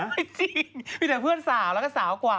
จริงมีแต่เพื่อนสาวแล้วก็สาวกว่า